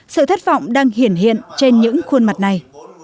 sự thất vọng đang hiển hiện hiện trên những khuôn mặt này